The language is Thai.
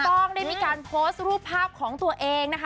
ต้องได้มีการโพสต์รูปภาพของตัวเองนะคะ